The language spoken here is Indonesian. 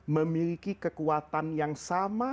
memiliki kekuatan yang sama